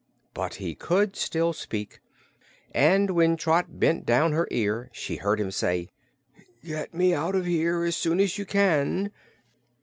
But he could still speak, and when Trot bent down her ear she heard him say: "Get me out of here as soon as you can."